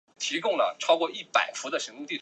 断穗狗尾草为禾本科狗尾草属下的一个种。